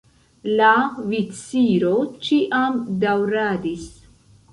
La viciro ĉiam daŭradis.